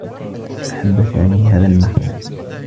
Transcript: أحبّ سامي هذا المكان.